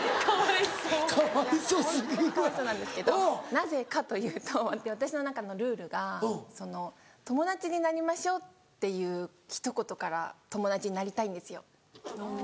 なぜかというと私の中のルールが「友達になりましょう」っていうひと言から友達になりたいんですよ。